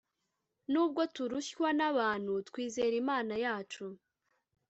Nubwo turushywa n'abantu, twizer' Imana yacu.